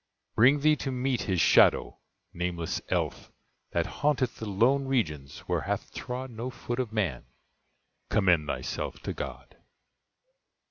Bring thee to meet his shadow (nameless elf, That haunteth the lone regions where hath trod No foot of man,) commend thyself to God!